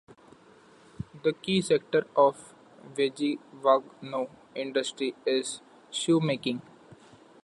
The key sector of Vigevano industry is shoemaking.